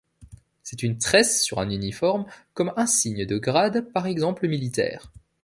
C'est une tresse sur un uniforme comme insigne de grade par exemple militaire.